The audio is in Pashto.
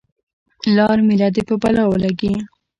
لار میله دې په بلا ولګي.